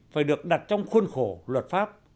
phải được đặt trong khuôn khổ luật pháp